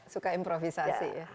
suka improvisasi ya